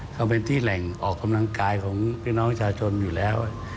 เขาเป็นที่แหล่งออกกำลังกายของพี่น้องชาชนอยู่แล้ว